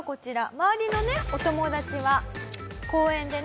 周りのねお友達は公園でね